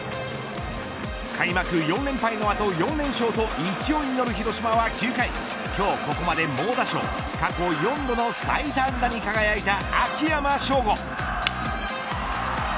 開幕４連敗の後、４連勝と勢いに乗る広島は９回今日ここまで猛打賞過去４度の最多安打に輝いた秋山翔吾。